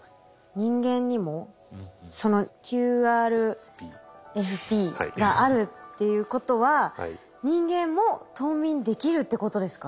人間にもそのＱＲＦＰがあるっていうことは人間も冬眠できるってことですか？